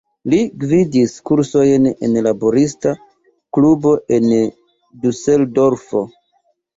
Li gvidis kursojn en laborista klubo en Duseldorfo.